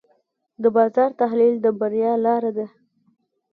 د بازار تحلیل د بریا لاره ده.